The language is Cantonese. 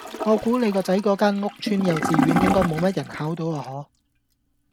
我估你個仔嗰間屋邨幼稚園應該冇乜人考到啊可